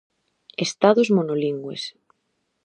Estados monolingües.